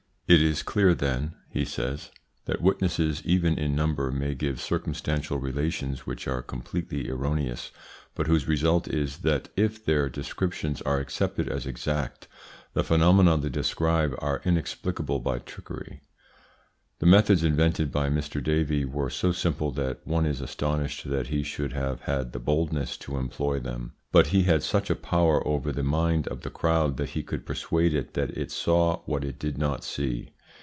It is clear, then," he says, "that witnesses even in number may give circumstantial relations which are completely erroneous, but whose result is THAT, IF THEIR DESCRIPTIONS ARE ACCEPTED AS EXACT, the phenomena they describe are inexplicable by trickery. The methods invented by Mr. Davey were so simple that one is astonished that he should have had the boldness to employ them; but he had such a power over the mind of the crowd that he could persuade it that it saw what it did not see."